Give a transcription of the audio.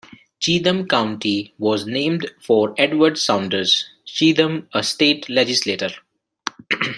Cheatham County was named for Edward Saunders Cheatham, a state legislator.